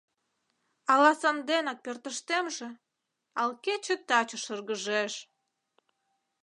Ала санденак пӧртыштемже Ал кече таче шыргыжеш.